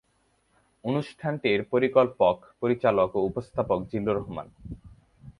অনুষ্ঠানটির পরিকল্পক, পরিচালক ও উপস্থাপক জিল্লুর রহমান।